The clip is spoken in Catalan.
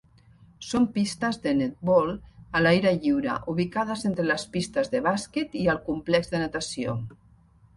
Són pistes de "netball" a l'aire lliure ubicades entre les pistes de bàsquet i el complex de natació.